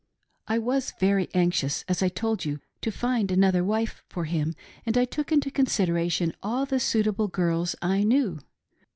" I was very anxious, as I told you, to find another wife for him, and I took into consideration all the suitable girls I knew.